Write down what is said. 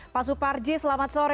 pak suparji selamat sore